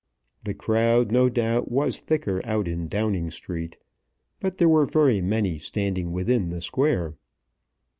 The crowd, no doubt, was thicker out in Downing Street, but there were very many standing within the square.